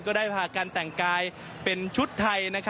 ได้พากันแต่งกายเป็นชุดไทย